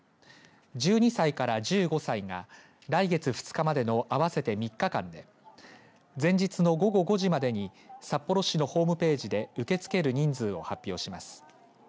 １２歳から１５歳が来月２日までの合わせて３日間で前日の午後５時までに札幌市のホームページで受け付ける人数を発表します。